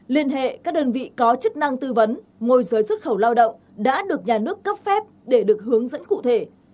liên hệ các đơn vị có chức năng tư vấn môi giới xuất khẩu lao động đã được nhà nước cấp phép để được hướng dẫn cụ thể